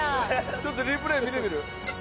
ちょっとリプレイ見てみる？